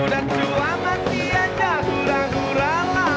udah tua masih aja hura hura lah